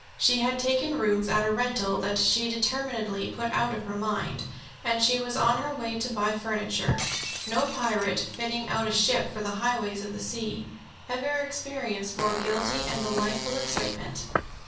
She had taken rooms at a rental that she determinedly put out of her mind, and she was on her way to buy furniture. No pirate, fitting out a ship for the highways of the sea, ever experienced more guilty and delightful excitement.